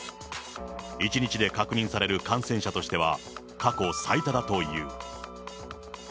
１日で確認される感染者としては、過去最多だという。